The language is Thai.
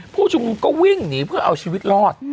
ผู้ชุมนุมก็วิ่งหนีเพื่อเอาชีวิตรอด